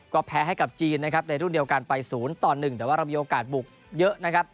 ก็แพ้ให้กับจีนนะครับในรุ่นเดียวกันไป๐ต่อ๑แต่ว่าเรามีโอกาสบุกเยอะนะครับ